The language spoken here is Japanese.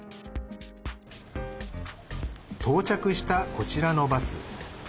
到着した、こちらのバス。